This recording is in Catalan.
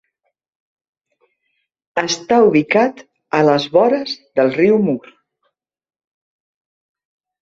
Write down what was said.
Està ubicat a les vores del riu Mur.